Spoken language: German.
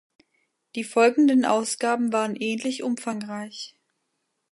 Die folgenden Ausgaben waren ähnlich umfangreich.